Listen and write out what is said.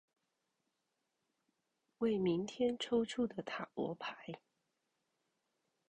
為明天抽出的塔羅牌